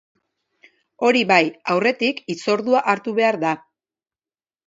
Hori bai, aurretik hitzordua hartu behar da.